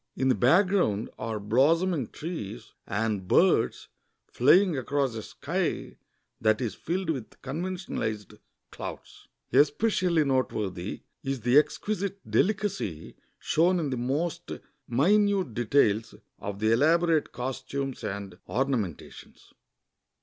In the background are blossoming trees, and birds flying across a sky that is filled with conventionalized clouds. Especially noteworthy is the exquisite delicacy sho'ss'n in the most minute details of the elaborate costumes and ornamentations.